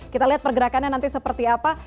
kita lihat pergerakannya nanti seperti apa